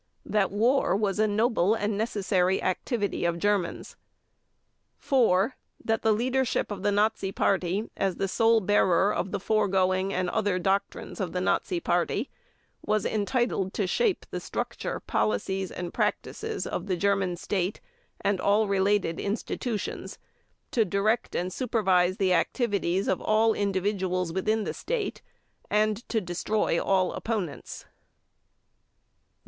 That war was a noble and necessary activity of Germans; 4. That the leadership of the Nazi Party, as the sole bearer of the foregoing and other doctrines of the Nazi Party, was entitled to shape the structure, policies, and practices of the German State and all related institutions, to direct and supervise the activities of all individuals within the State, and to destroy all opponents.